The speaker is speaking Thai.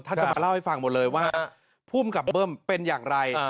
จะมาเล่าให้ฟังหมดเลยว่าภูมิกับเบิ้มเป็นอย่างไร